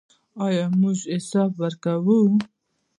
آیا موږ حساب ورکوو؟